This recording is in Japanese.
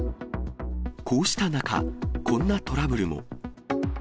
こうした中、こんなトラブルも。